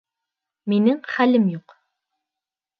Минең хәлем юҡ!